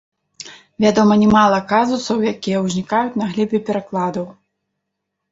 Вядома нямала казусаў, якія ўзнікаюць на глебе перакладаў.